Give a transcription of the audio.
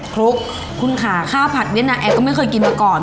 คลุกคุณค่ะข้าวผัดเวียดนาแอร์ก็ไม่เคยกินมาก่อน